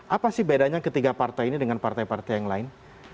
apa sih bedanya ketiga partai ini dengan partai partai yang lain